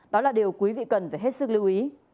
đó là điều quý vị cần phải hết sức lưu ý